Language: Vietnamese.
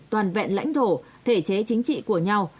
toàn vẹn lãnh thổ thể chế chính trị của nhau